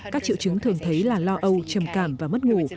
các triệu chứng thường thấy là lo âu trầm cảm và mất ngủ